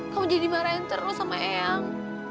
kamu jadi marah yang terus sama eyang